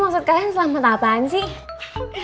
maksud kalian selamat apaan sih